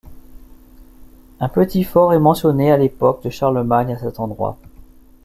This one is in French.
Un petit fort est mentionné au à l’époque de Charlemagne à cet endroit.